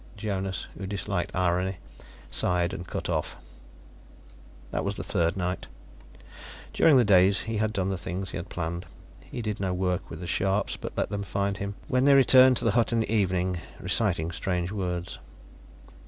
Jonas, who disliked irony, sighed and cut off. That was the third night. During the days he had done the things he had planned; he did no work with the Scharpes, but let them find him, when they returned to the hut of an evening, reciting strange words.